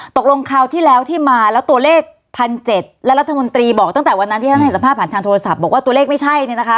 คราวที่แล้วที่มาแล้วตัวเลข๑๗๐๐และรัฐมนตรีบอกตั้งแต่วันนั้นที่ท่านให้สัมภาษณ์ผ่านทางโทรศัพท์บอกว่าตัวเลขไม่ใช่เนี่ยนะคะ